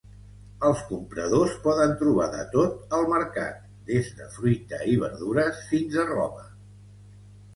Els compradors poden trobar de tot al mercat, des de fruita i verdures fins a roba.